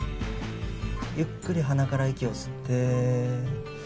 ゆっくり鼻から息を吸って。